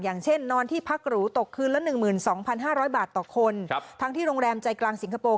อย่างเช่นนอนที่พักหรูตกคืนละ๑๒๕๐๐บาทต่อคนทั้งที่โรงแรมใจกลางสิงคโปร์